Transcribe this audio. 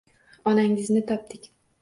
Onangizni topdik.